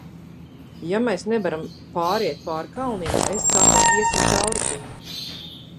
Ja mēs nevaram pāriet pār kalniem, es saku, iesim caur tiem!